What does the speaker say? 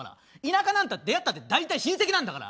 田舎なんか出会ったって大体親戚なんだから。